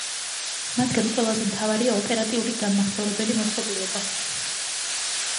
მათგან ყველაზე მთავარია ოპერატიული დამმახსოვრებელი მოწყობილობა.